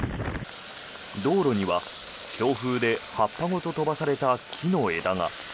道路には強風で葉っぱごと飛ばされた木の枝が。